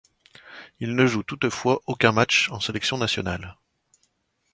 Il ne joue toutefois aucun match en sélection nationale.